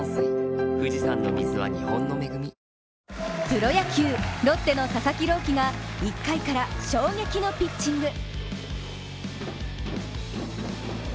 プロ野球、ロッテの佐々木朗希が１回から衝撃のピッチング。